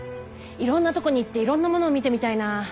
いろんなとこに行っていろんなもの見てみたいなぁ。